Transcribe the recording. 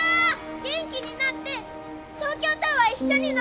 元気になって東京タワー一緒にのぼろ！